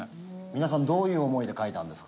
皆さんどういう思いで書いたんですか？